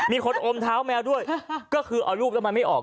มีคนอมเท้าแมวด้วยก็คือเอารูปแล้วมันไม่ออก